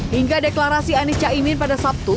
hingga deklarasi anies cak imin pada sabtu